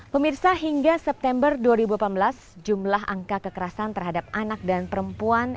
pemirsa hingga september dua ribu delapan belas jumlah angka kekerasan terhadap anak dan perempuan